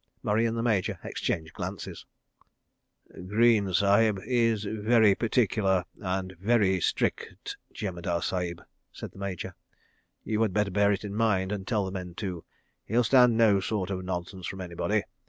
Murray and the Major exchanged glances. "Greene Sahib is very particular and very strict, Jemadar Sahib," said the Major. "You had better bear it in mind, and tell the men too. He'll stand no sort of nonsense from anybody.